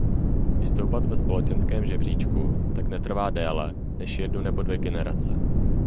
Vystoupat ve společenském žebříčku tak netrvá déle než jednu nebo dvě generace.